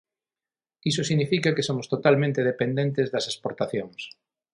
Iso significa que somos totalmente dependentes das exportacións.